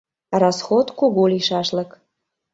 Расход кугу лийшашлык.